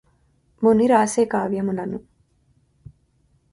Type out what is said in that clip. మూని వ్రాసె కావ్యములను